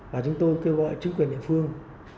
và chúng tôi kêu gọi chính quyền địa phương